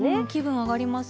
気分上がります。